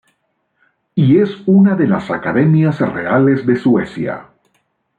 Y es una de las Academias Reales de Suecia.